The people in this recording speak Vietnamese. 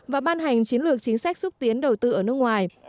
và ban hành chiến lược chính sách xúc tiến đầu tư ở nước ngoài